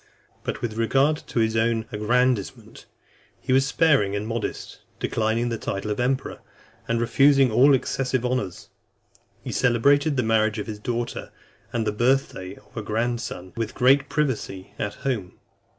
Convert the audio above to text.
XII. But with regard to his own aggrandisement, he was sparing and modest, declining the title of emperor, and refusing all excessive honours. He celebrated the marriage of his daughter and the birth day of a grandson with great privacy, at home.